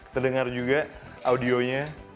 terdengar juga audionya